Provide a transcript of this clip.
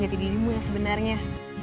jati dirimu ya sebenarnya